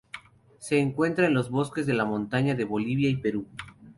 Se encuentra en los bosques de montaña de Bolivia y Perú.